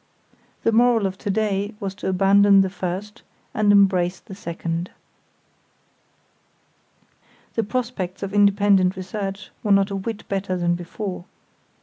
The moral of to day was to abandon the first and embrace the second. The prospects of independent research were not a whit better than before.